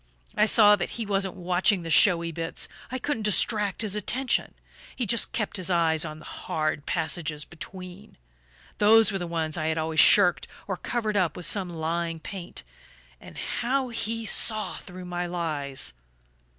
I saw that he wasn't watching the showy bits I couldn't distract his attention; he just kept his eyes on the hard passages between. Those were the ones I had always shirked, or covered up with some lying paint. And how he saw through my lies!